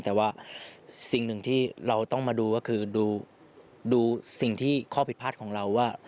แต่ว่าสิ่งหนึ่งที่เราต้องมาดูก็คือดูสิ่งที่ข้อผิดพลาดของเราว่า